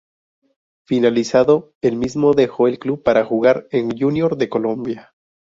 Finalizado el mismo dejó el club para jugar en Junior de Colombia.